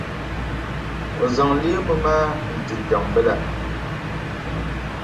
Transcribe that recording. O zaŋ leemu maa n-ti Jaŋʼ bila.